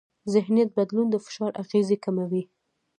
ذهنیت بدلون د فشار اغېزې کموي.